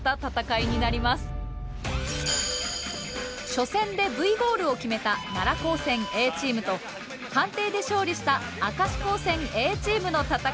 初戦でＶゴールを決めた奈良高専Ａチームと判定で勝利した明石高専Ａチームの戦いです。